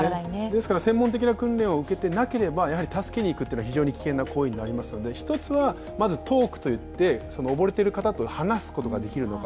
ですから専門的な訓練を受けていなれば助けにいくのは非常に危険な行為ですので、１つはトークといって溺れている方と話すことができるのか。